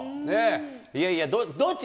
いやいや、どっち？